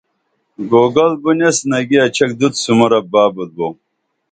گوگل بُن ایس نگی اچھک دُت سُمورپ بہ ابُت بو